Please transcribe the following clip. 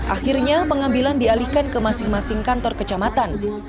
akhirnya pengambilan dialihkan ke masing masing kantor kecamatan